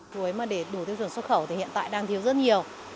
cuối mà để đủ tiêu chuẩn xuất khẩu thì hiện tại đang thiếu rất nhiều